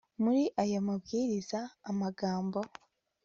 Muri aya mabwiriza amagambo